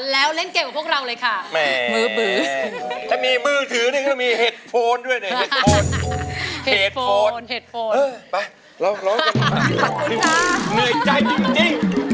เหนื่อยใจจริง